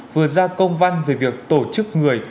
vừa ra công văn về việc tổ chức người